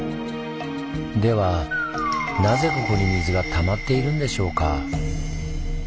ではなぜここに水が溜まっているんでしょうか？